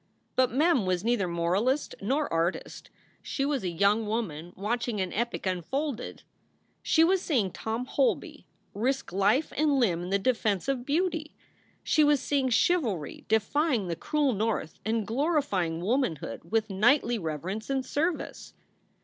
But Mem was neither moralist nor artist ; she was a young woman watching an epic unfolded. She was seeing Tom Holby risk life and limb in the defense of beauty. She was seeing chivalry defying the cruel North and glorifying womanhood with knightly reverence and service.